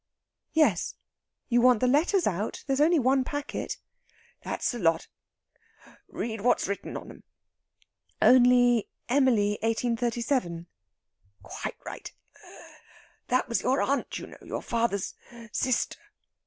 "Yes; you want the letters out? There's only one packet." "That's the lot. Read what's written on them." "Only 'Emily, 1837.'" "Quite right! That was your aunt, you know your father's sister.